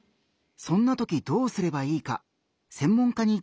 そんなときどうすればいいか専門家に聞いてみたよ。